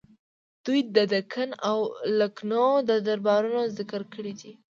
دوی د دکن او لکنهو د دربارونو ذکر کړی دی.